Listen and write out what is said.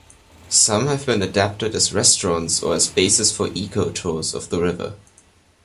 Some have been adapted as restaurants or as bases for eco-tours of the river.